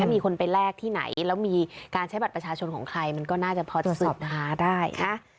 มีคนไปแลกที่ไหนแล้วมีการใช้บัตรประชาชนของใครมันก็น่าจะพอจะสืบหาได้นะ